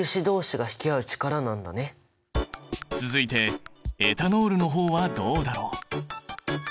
続いてエタノールの方はどうだろう？